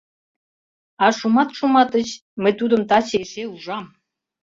— А Шумат Шуматыч, мый тудым таче эше ужам.